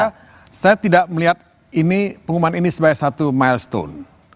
karena saya tidak melihat pengumuman ini sebagai satu milestone